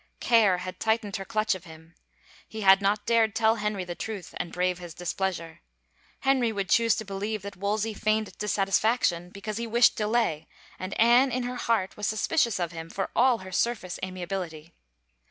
Care had tightened her clutch of him. He had not dared tell Henry the truth and brave his displeasure. Henry would choose to believe that Wol sey feigned dissatisfaction because he wished delay and Anne, in her heart, was suspicious of him, for all her surface amiability.